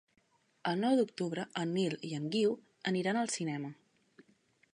El nou d'octubre en Nil i en Guiu aniran al cinema.